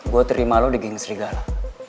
gue terima lo di geng serigala